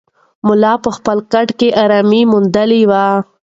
ملا په خپل کټ کې ارام موندلی و.